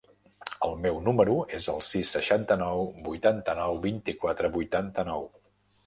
El meu número es el sis, seixanta-nou, vuitanta-nou, vint-i-quatre, vuitanta-nou.